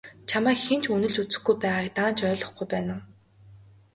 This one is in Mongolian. Чамайг хэн ч үнэлж үзэхгүй байгааг даанч ойлгохгүй байна уу?